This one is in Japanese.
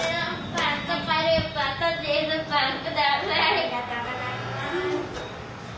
ありがとうございます。